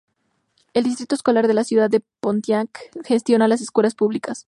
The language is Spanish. El Distrito Escolar de la Ciudad de Pontiac gestiona las escuelas públicas.